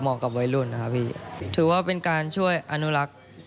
กับวัยรุ่นนะครับพี่ถือว่าเป็นการช่วยอนุรักษ์